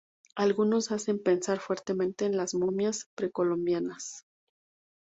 Algunos hacen pensar fuertemente en las momias precolombinas.